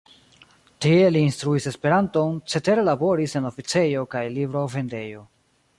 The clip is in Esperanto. Tie li instruis Esperanton, cetere laboris en la oficejo kaj librovendejo.